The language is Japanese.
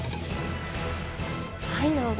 はいどうぞ。